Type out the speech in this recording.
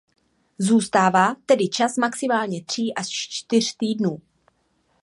Zůstává tedy čas maximálně tří až čtyř týdnů.